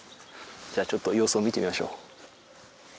じゃあちょっと様子を見てみましょう。